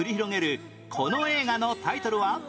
この映画のタイトルは？